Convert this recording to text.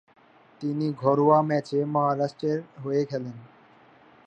তিনি ঘরোয়া ম্যাচে মহারাষ্ট্রের হয়ে খেলেন।